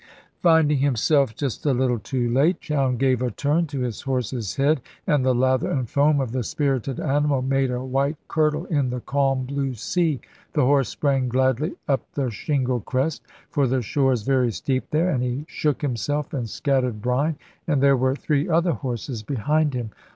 Finding himself just a little too late, Chowne gave a turn to his horse's head, and the lather and foam of the spirited animal made a white curdle in the calm blue sea. The horse sprang gladly up the shingle crest for the shore is very steep there and he shook himself and scattered brine; and there were three other horses behind him.